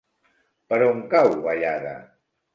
Per on cau Vallada?